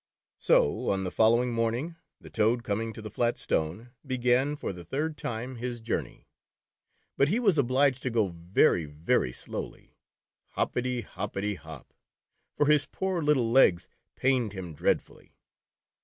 So on the following morning the Toad com ing to the flat stone, began, for the third time, his The Toad Boy. 187 journey. But he was obliged to go very, very slowly, "hop i ty, hop i ty, hop," for his poor lit tle legs pained him dreadfully.